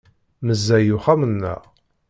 Meẓẓey uxxam-nneɣ.